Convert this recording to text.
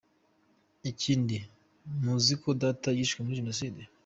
Ikindi, muzi ko Data yishwe muri Jenoside.